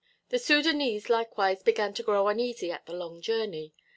The Sudânese likewise began to grow uneasy at the long journey.